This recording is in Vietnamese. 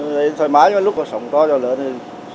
yên thoải mái nhưng mà lúc nó sống to cho lớn thì